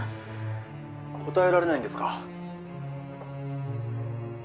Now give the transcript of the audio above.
「答えられないんですか？」